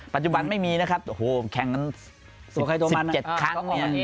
ปัจจุบันไม่มีนะครับแข่งนั้น๑๗ครั้ง